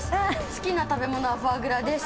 好きな食べ物はフォアグラです。